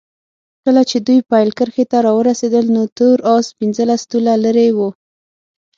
کله چې دوی پیل کرښې ته راورسېدل نو تور اس پنځلس طوله لرې وو.